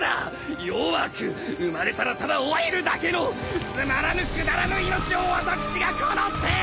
弱く生まれたらただ老いるだけのつまらぬくだらぬ命を私がこの手！